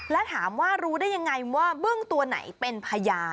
แล้วถามว่ารู้ได้ยังไงว่าบึ้งตัวไหนเป็นพยาน